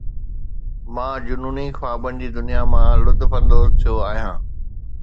مان جنوني خوابن جي دنيا مان لطف اندوز ٿيو آهيان